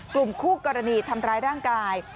กลุ่มคู่กรณีทำร้ายร่างกาย